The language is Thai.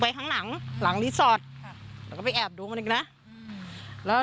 ข้างหลังหลังรีสอร์ทค่ะแล้วก็ไปแอบดูมันอีกนะอืมแล้ว